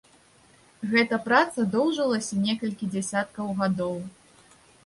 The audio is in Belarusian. Гэта праца доўжылася некалькі дзясяткаў гадоў.